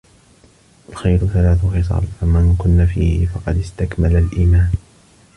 الْخَيْرُ ثَلَاثُ خِصَالٍ فَمَنْ كُنَّ فِيهِ فَقَدْ اسْتَكْمَلَ الْإِيمَانَ